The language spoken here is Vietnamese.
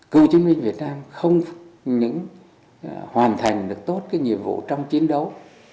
cựu chiến binh việt nam không hoàn thành được tốt cái nhiệm vụ trong chiến đấu